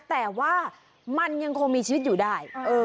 แต่ว่ามันยังคงมีชีวิตอยู่ได้